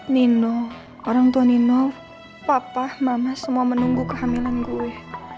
nino orang tua nino papa mama semua menunggu kehamilan gue